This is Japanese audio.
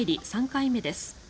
３回目です。